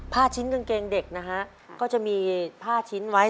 ชิ้นกางเกงเด็กนะฮะก็จะมีผ้าชิ้นไว้